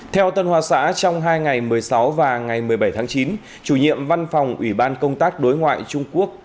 theo tân hoa xã trong hai ngày một mươi sáu và ngày một mươi bảy tháng chín chủ nhiệm văn phòng ủy ban công tác đối ngoại trung quốc